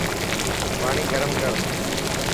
پاڻي گرم ڪر.